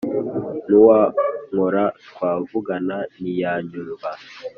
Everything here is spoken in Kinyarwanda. N’uwankora twavugana ntiyanyumva;